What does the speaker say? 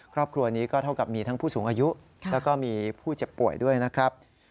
ครอบครัวนี้ก็เท่ากับมีทั้งผู้สูงอายุแล้วก็มีผู้เจ็บป่วยด้วยนะครับ